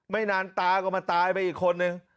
ไม่นานตาก็มาตายไปอีกคนนึง